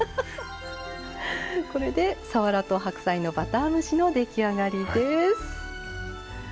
これでさわらと白菜のバター蒸しの出来上がりです。